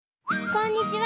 こんにちは！